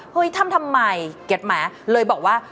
เฮ้ยทำทำไม่เก็ตไหมเลยบอกว่า